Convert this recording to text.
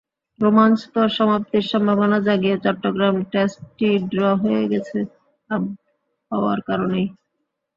রোমাঞ্চকর সমাপ্তির সম্ভাবনা জাগিয়ে চট্টগ্রাম টেস্টটি ড্র হয়ে গেছে আবহাওয়ার কারণেই।